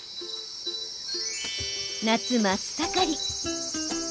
夏真っ盛り。